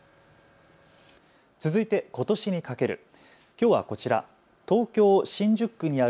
続いてことしにかける。